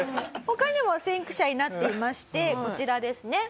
他にも先駆者になっていましてこちらですね。